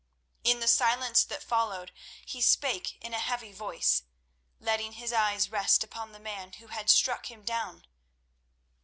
In the silence that followed he spoke in a heavy voice, letting his eyes rest upon the man who had struck him down.